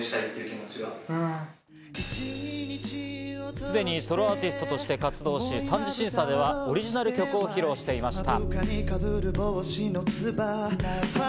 すでにソロアーティストとして活動し、３次審査ではオリジナル曲を披露していました。